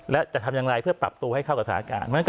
และจะทำอย่างไรเพื่อปรับตัวให้เข้ากับสถานการณ์